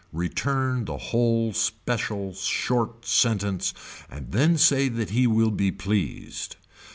Return the whole special short sentence and then say that he will be pleased.